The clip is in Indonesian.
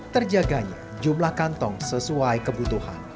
terjaganya jumlah kantong sesuai kebutuhan